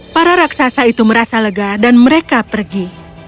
para raksasa itu merasa lega dan mereka pergi